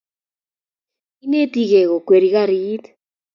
Inetigei kokweri karit